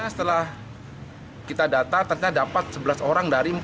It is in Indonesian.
setelah kita data ternyata dapat sebelas orang dari empat